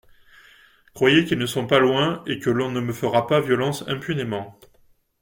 Croyez qu'ils ne sont pas loin et que l'on ne me fera pas violence impunément.